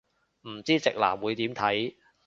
唔知直男會點睇